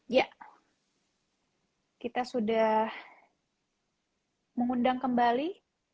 ya kita sudah mengundang kembali